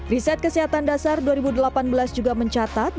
riset kesehatan dasar dua ribu delapan belas juga mencatat